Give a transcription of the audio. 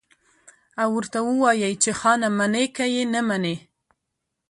او ورته ووايي چې خانه منې که يې نه منې.